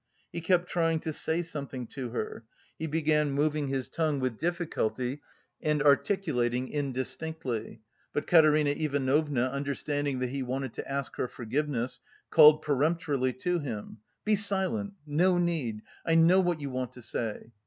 He kept trying to say something to her; he began moving his tongue with difficulty and articulating indistinctly, but Katerina Ivanovna, understanding that he wanted to ask her forgiveness, called peremptorily to him: "Be silent! No need! I know what you want to say!"